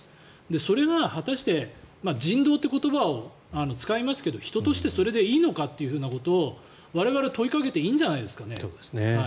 それが果たして人道という言葉を使いますけど人としてそれでいいのかということを我々、問いかけていいんじゃないですかね。